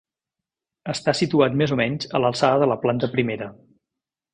Està situat més o menys a l'alçada de la planta primera.